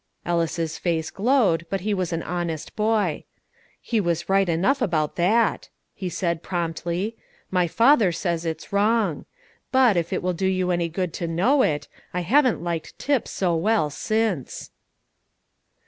Ellis's face glowed, but he was an honest boy. "He was right enough about that," he said promptly; "my father says it's wrong. But, if it will do you any good to know it, I haven't liked Tip so well since."